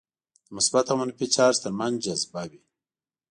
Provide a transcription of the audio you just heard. د مثبت او منفي چارج ترمنځ جذبه وي.